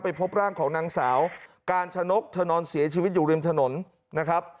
พบร่างของนางสาวกาญชนกเธอนอนเสียชีวิตอยู่ริมถนนนะครับ